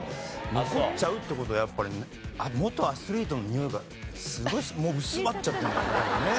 残っちゃうって事はやっぱり元アスリートのにおいがすごい薄まっちゃってるんだろうね。